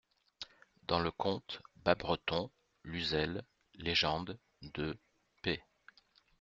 Dans le conte bas-breton (Luzel, _Légendes_, deux, p.